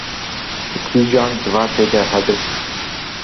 di kîjan ciwatê de hebe